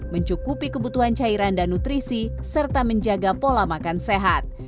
mencukupi kebutuhan cairan dan nutrisi serta menjaga pola makan sehat